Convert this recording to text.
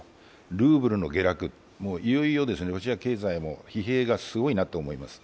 ルーブルの下落、いよいよロシア経済も疲弊がすごいなと思います。